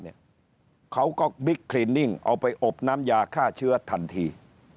เขาก็บิ๊กคลินิ่งเอาไปอบน้ำยาฆ่าเชื้อทันที